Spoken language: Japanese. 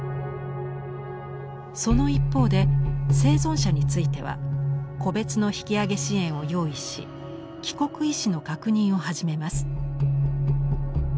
その一方で生存者については個別の引き揚げ支援を用意し帰国意思の確認を始めます。